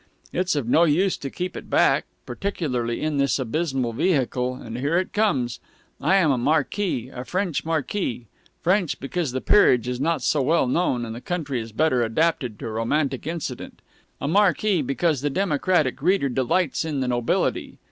It's of no use to keep it back particularly in this abysmal vehicle, and here it comes: I am a Marquis a French Marquis; French, because the peerage is not so well known, and the country is better adapted to romantic incident a Marquis, because the democratic reader delights in the nobility.